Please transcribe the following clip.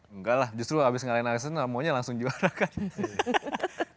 enggak lah justru abis ngalahin excelsen namanya langsung juara kan